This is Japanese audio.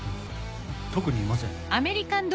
特にいません。